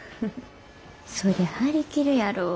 そりゃ張り切るやろ。